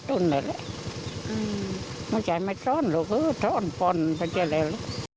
ตุ้นมาเลยมันจะไม่ทร้อนหรอกทร้อนปล่อนมันจะเร็ว